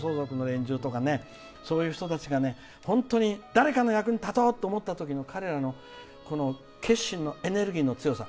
元暴走族の連中とかねそういう人たちが誰かの役に立とうと思ったときの彼らの決心のエネルギーの強さ。